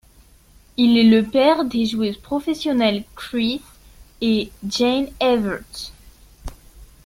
Il est le père des joueuses professionnelles Chris et Jeanne Evert.